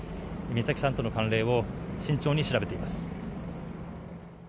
美咲さんとの関連を慎重に調べています。